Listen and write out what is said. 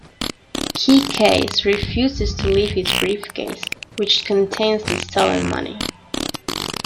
Keycase refuses to leave his briefcase, which contains the stolen money.